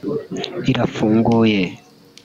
irafunguye